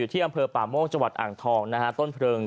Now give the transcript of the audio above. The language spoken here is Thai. อยู่ที่อำเภอป่าโม้จังหวัดอ่างทองต้นเพลิง